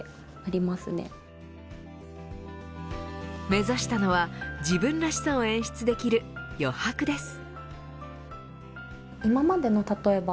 目指したのは自分らしさを演出できる余白です。